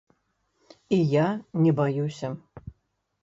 І я не баюся.